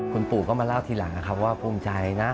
คุณปู่ก็มาเล่าทีหลังนะครับว่าภูมิใจนะ